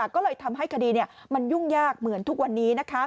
ก็เลยทำให้คดีมันยุ่งยากเหมือนทุกวันนี้